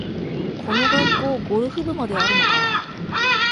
この学校、ゴルフ部まであるのかあ